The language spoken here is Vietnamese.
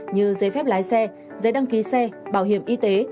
như giấy phép lái xe giấy đăng ký xe bảo hiểm y tế